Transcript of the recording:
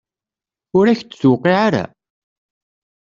Ur ak-d-tuqiɛ ara?